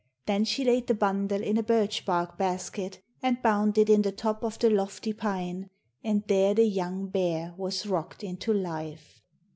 Then she laid the bundle in a birch bark basket and bound it in the top of the lofty pine, and there the young bear was rocked into life.